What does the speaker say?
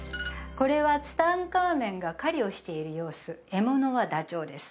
これはツタンカーメンが狩りをしている様子獲物はダチョウです